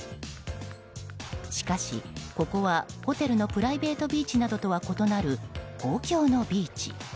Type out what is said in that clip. しかし、ここはホテルのプライベートビーチなどとは異なる公共のビーチ。